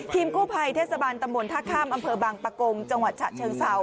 กู้ภัยเทศบาลตำบลท่าข้ามอำเภอบางปะกงจังหวัดฉะเชิงเซา